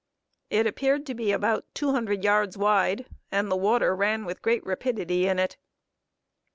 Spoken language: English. It appeared to be about two hundred yards wide, and the water ran with great rapidity in it.